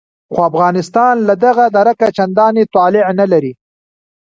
خو افغانستان له دغه درکه چندانې طالع نه لري.